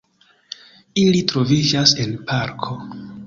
Ili troviĝas en parko.